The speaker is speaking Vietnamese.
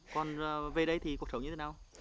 còn về đây thì cuộc sống như thế nào